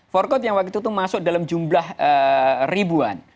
forkot yang waktu itu masuk dalam jumlah ribuan